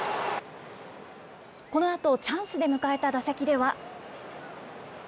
このあと、チャンスで迎えた打席では。